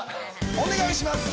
お願いします！